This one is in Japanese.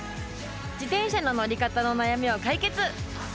自転車の乗り方の悩みを解決！